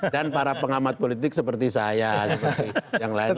dan para pengamat politik seperti saya seperti yang lain lain